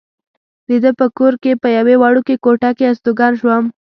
د ده په کور کې په یوې وړوکې کوټه کې استوګن شوم.